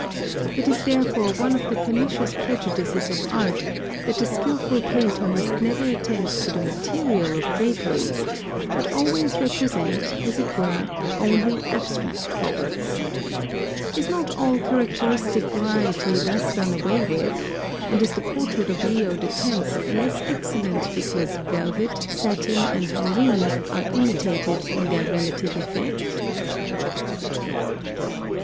It is therefore one of the pernicious prejudices of art that the skilful painter must never attend to the material of draperies, but always represent, as it were, only abstract folds. Is not all characteristic variety thus done away with, and is the portrait of Leo X. less excellent because velvet, satin, and moreen, are imitated in their relative effect? 876.